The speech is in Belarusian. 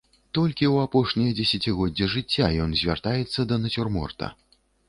Толькі ў апошняе дзесяцігоддзе жыцця ён звяртаецца да нацюрморта.